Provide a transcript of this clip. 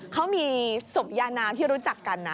เขามีศพยานามที่รู้จักกันนะ